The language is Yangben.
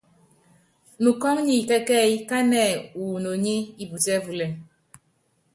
Nukɔ́ŋ nyi kɛ́kɛ́yí kánɛ wu inoní íputíɛ́púlɛ.